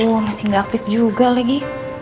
wah masih nggak aktif juga lagi